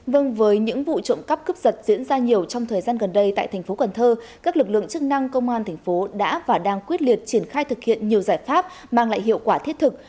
vâng với những vụ trộm cắp cướp giật diễn ra nhiều trong thời gian gần đây tại thành phố cần thơ các lực lượng chức năng công an thành phố đã và đang quyết liệt triển khai thực hiện nhiều giải pháp mang lại hiệu quả thiết thực